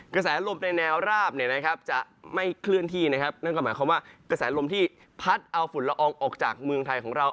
กระแสลมลมในแนวราบจะไม่เคลื่อนที่นั่นก็หมายความว่ากระแสลมลมที่พัดเอาฝุ่นละอองออกจากเมืองไทยของเรา